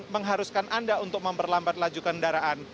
mengharuskan anda untuk memperlambat laju kendaraan